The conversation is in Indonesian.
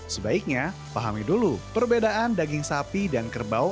sebaiknya pahami dulu perbedaan daging sapi dan kerbau